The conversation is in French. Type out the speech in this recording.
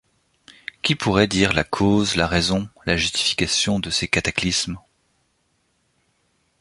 Qui pourrait dire la cause, la raison, la justification de ces cataclysmes ?